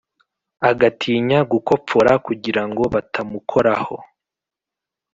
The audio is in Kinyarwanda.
Agatinya gukopfora kugirango batamukoraho